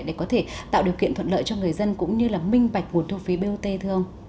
để có thể tạo điều kiện thuận lợi cho người dân cũng như là minh bạch nguồn thu phí bot thưa ông